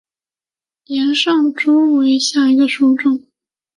岩上珠为茜草科岩上珠属下的一个种。